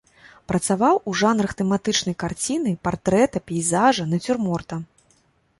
Працаваў у жанрах тэматычнай карціны, партрэта, пейзажа, нацюрморта.